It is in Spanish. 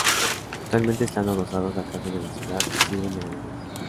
Actualmente están adosadas a casas de la ciudad y sirven de galerías.